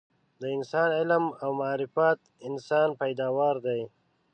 د انسان علم او معرفت انسان پیداوار دي